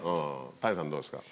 谷さん、どうですか。